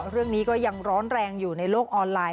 เรื่องนี้ก็ยังร้อนแรงอยู่ในโลกออนไลน